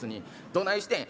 どないしてん？」。